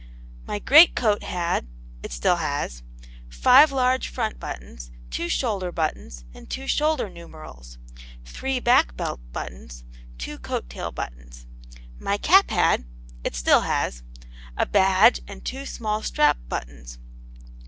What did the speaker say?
My great coat had (it still has) five large front buttons, two shoulder buttons and two shoulder numerals, three back belt buttons, two coat tail buttons. My cap had (it still has) a badge and two small strap buttons.